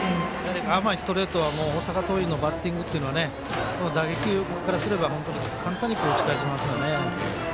甘いストレートはもう大阪桐蔭のバッティングは打撃からすれば本当に簡単に打ち返せますよね。